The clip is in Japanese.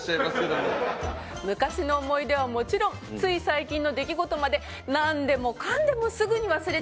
昔の思い出はもちろんつい最近の出来事までなんでもかんでもすぐに忘れちゃう